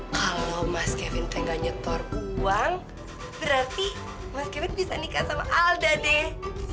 kalau mas kevin pengen nyetor uang berarti mas kevin bisa nikah sama alda deh